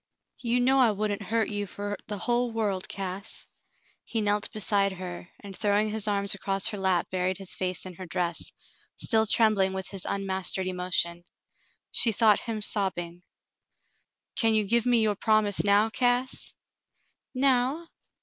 "You know I wouldn't hurt you fer the hull world, Cass." He knelt beside her, and throwing his arms across her lap buried his face in her dress, still trembling with his unmastered emotion. She thought him sobbing. "Can you give me your promise now, Cass ?'* "Now